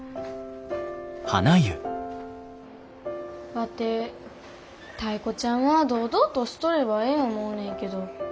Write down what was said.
ワテタイ子ちゃんは堂々としとればええ思うねんけど。